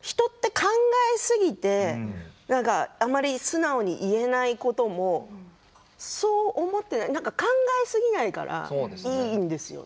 人って考えすぎてあまり素直に言えないこともそう思って考えすぎないからいいんですよね。